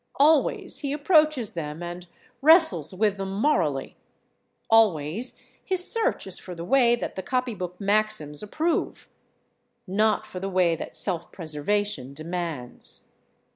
Always he approaches them and wrestles with them morally; always his search is for the way that the copy book maxims approve, not for the way that self preservation demands.